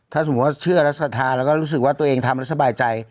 ถ้าสมมุติว่าเชื่อและศรัทธาแล้วก็รู้สึกว่าตัวเองทำแล้วสบายใจ